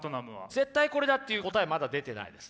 絶対これだっていう答えまだ出てないです。